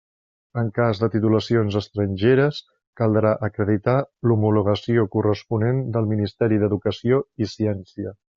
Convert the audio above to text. En cas de titulacions estrangeres, caldrà acreditar l'homologació corresponent del Ministeri d'Educació i Ciència.